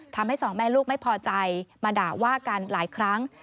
ทำให้สองแม่ลูกไม่พอใจมาด่าว่ากันหลายครั้ง